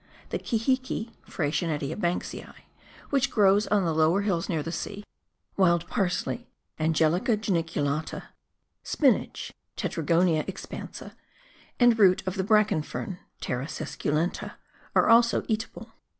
The kihi ki {Freycinetia Banksii) which grows on tl^e lower hills near the sea, wild parsley {Angelica ncniculata), spinach {Tetragonia expansa), and root of the bracken fern (Fteris esculenta) are also eatable.